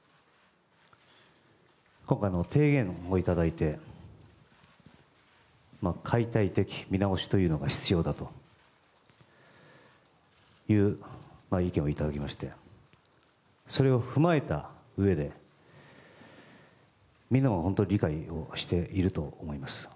今回、提言をいただいて解体的見直しというのが必要だという意見をいただきましてそれを踏まえたうえでみんなが本当に理解をしていると思います。